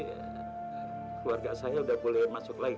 keluarga saya sudah boleh masuk lagi